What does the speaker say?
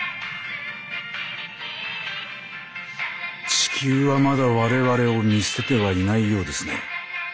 地球はまだ我々を見捨ててはいないようですね。